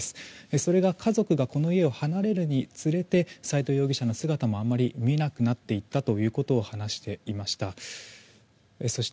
それが家族がこの家を離れるにつれて斎藤容疑者の姿もあまり見なくなっていったということを話していました。